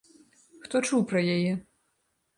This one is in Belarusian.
Хто чуў пра яе?